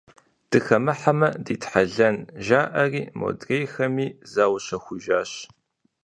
Дыхэмыхьэмэ дитхьэлэн жаӀэри, модрейхэми заущэхужащ.